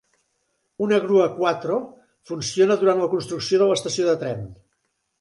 Una grua Quattro funciona durant la construcció de l'estació de tren.